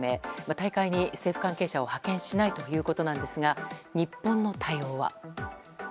大会に政府関係者を派遣しないということですが日本の対応は。